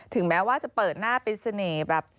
ถึงแม้ว่าจะเปิดหน้าเป็นเสน่ห์แบบ